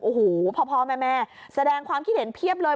โอ้โหพ่อแม่แสดงความคิดเห็นเพียบเลย